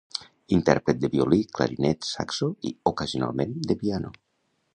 Intèrpret de violí, clarinet, saxo i, ocasionalment, de piano.